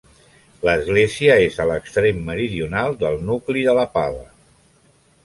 L'església és a l'extrem meridional del nucli de la Pava.